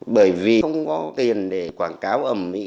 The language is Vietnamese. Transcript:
bởi vì không có tiền để quảng cáo ẩm